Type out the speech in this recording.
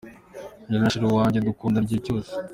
Njye na Cherie wanjye dukundana igihe cyose.